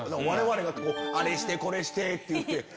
我々があれしてこれしてっていうて。